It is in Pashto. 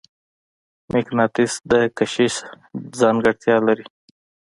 مقناطیس د کشش ځانګړتیا لري.